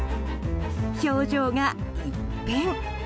表情が一変。